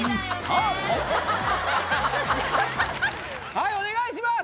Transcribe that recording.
はいお願いします